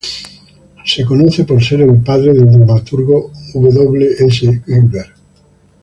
Es conocido por ser el padre del dramaturgo W. S. Gilbert.